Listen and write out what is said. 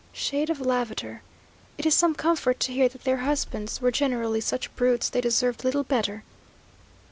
Shade of Lavater! It is some comfort to hear that their husbands were generally such brutes, they deserved little better!